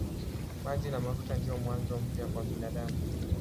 Maji na mafuta ndiyo mwanzo mpya kwa binadamu.